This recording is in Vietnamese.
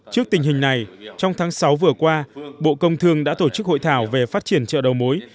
trước tình hình này trong tháng sáu vừa qua bộ công thương đã tổ chức hội thảo về phát triển chợ đầu mối